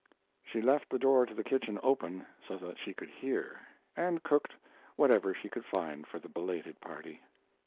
She left the door to the kitchen open so that she could hear, and cooked whatever she could find for the belated party.